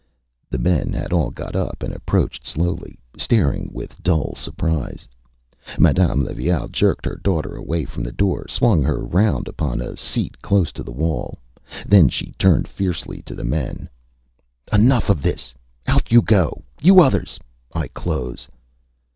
Â The men had all got up and approached slowly, staring with dull surprise. Madame Levaille jerked her daughter away from the door, swung her round upon a seat close to the wall. Then she turned fiercely to the men ÂEnough of this! Out you go you others! I close.